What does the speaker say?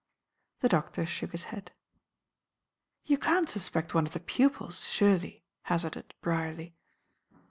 The doctor shook his head. "You can't suspect one of the pupils, surely?" hazarded Brierly.